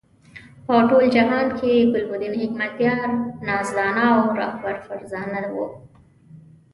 په ټول جهاد کې ګلبدین حکمتیار نازدانه او رهبر فرزانه وو.